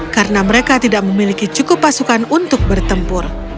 karena mereka tidak memiliki cukup pasukan untuk bertempur